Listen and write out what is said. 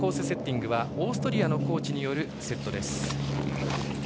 セッティングはオーストリアのコーチによるセットです。